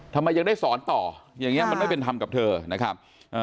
ทำไมยังได้สอนต่ออย่างนี้มันไม่เป็นธรรมกับเธอนะครับ